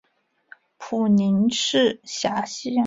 普宁市辖乡。